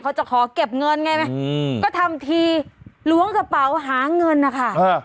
เขาจะขอเก็บเงินไงไหมอืมก็ทำทีล้วงกระเป๋าหาเงินนะคะ